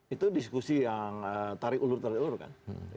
itu diskusi yang tarik ulur tarik ulur kan